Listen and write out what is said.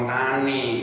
jangan tahan nih